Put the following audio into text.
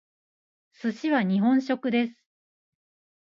寿司は日本食です。